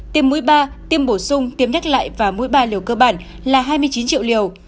tiêm mũi ba tiêm bổ sung tiêm nhắc lại và mũi ba liều cơ bản là hai mươi chín triệu liều